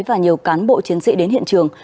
và nhiều cán bộ chiến sĩ đến hiện trường